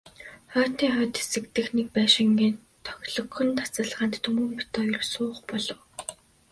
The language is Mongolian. Хотын хойд хэсэг дэх нэг байшингийн тохилогхон тасалгаанд Түмэн бид хоёр суух болов.